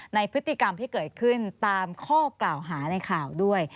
ในพฤติกรรมที่เกิดขึ้นตามข้อกล่าวหาในข่าวด้วย